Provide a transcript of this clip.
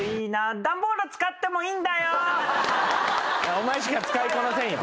お前しか使いこなせんよ。